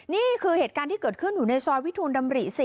นี่คือเหตุการณ์ที่เกิดขึ้นอยู่ในซอยวิทูลดำริ๔